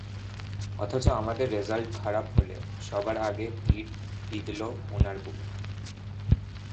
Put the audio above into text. অথচ আমাদের রেজাল্ট খারাপ হলে সবার আগে তীর বিঁধল ওনার বুকে।